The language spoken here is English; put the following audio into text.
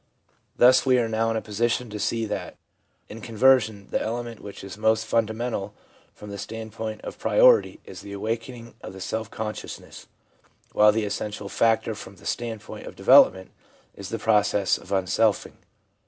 Thus we are now in a position to see that in conversion the element which is most fundamental from the standpoint of priority is the awakening of self consciousness, while the essential factor from the standpoint of development is the process of unselfing.